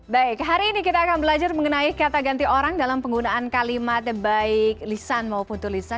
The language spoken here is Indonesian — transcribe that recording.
baik hari ini kita akan belajar mengenai kata ganti orang dalam penggunaan kalimat baik lisan maupun tulisan